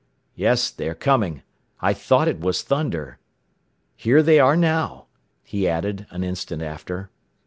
"Yes, they are coming. I thought it was thunder. "Here they are now," he added an instant after.